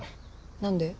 何で？